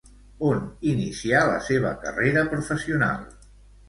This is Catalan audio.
On inicià la seva carrera professional?